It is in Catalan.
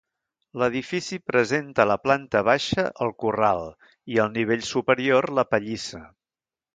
L'edifici presenta a la planta baixa el corral i al nivell superior la pallissa.